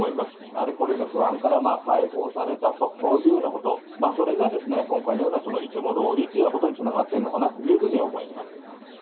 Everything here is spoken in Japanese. あれこれの不安から解放されたというようなこと、それが今回のようなそのいつもどおりというようなことにつながってるのかなというふうには思います。